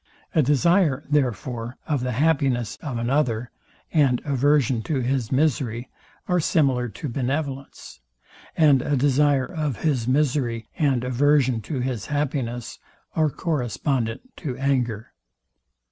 A desire, therefore, of the happiness of another, and aversion to his misery, are similar to benevolence; and a desire of his misery and aversion to his happiness are correspondent to anger.